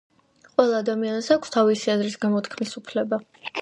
ყველა ადამიანს აქვს თავისი აზრის გამოთქმის უფლება